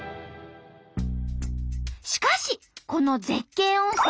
しかしこの絶景温泉